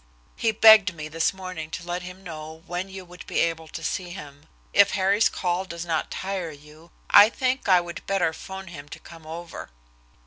He begged me this morning to let him know when you would be able to see him. If Harry's call does not tire you, I think I would better 'phone him to come over."